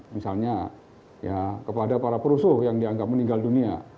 misalnya ya kepada para perusuh yang dianggap meninggal dunia